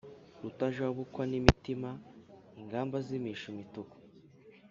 Rutajabukwa n’imitima ingamba zimisha imituku,